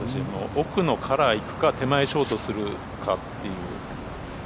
奥のカラーいくか手前ショートするかっていう。